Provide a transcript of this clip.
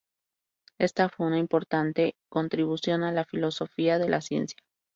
Esta fue una importante contribución a la filosofía de la ciencia.